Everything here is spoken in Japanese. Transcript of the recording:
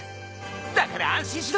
だから安心しろ！